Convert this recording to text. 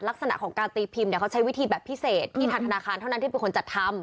ลักษณะของการตีพิมพ์เขาใช้วิธีแบบพิเศษที่ทางธนาคารเท่านั้นที่เป็นคนจัดทำ